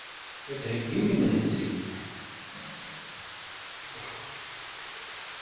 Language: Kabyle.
Ad d-theyyim imensi.